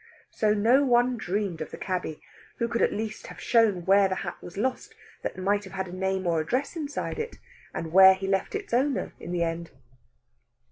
So no one dreamed of the cabby, who could at least have shown where the hat was lost that might have had a name or address inside it, and where he left its owner in the end.